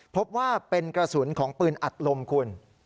พบว่าเป็นกระสุนของปืนอัดลมคุณ